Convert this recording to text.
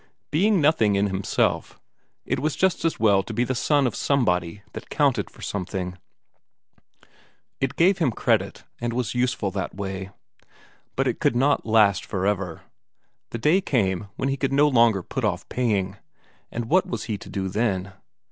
Being nothing in himself, it was just as well to be the son of somebody that counted for something; it gave him credit, and was useful that way. But it could not last for ever; the day came when he could no longer put off paying, and what was he to do then?